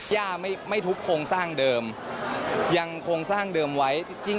ย่าไม่ทุบโครงสร้างเดิมยังโครงสร้างเดิมไว้จริง